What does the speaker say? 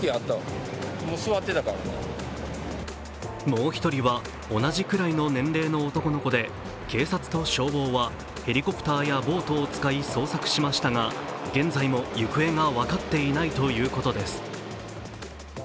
もう一人は同じくらいの年齢の男の子で警察と消防はヘリコプターやボートを使い捜索しましたが現在も行方が分かっていないということです。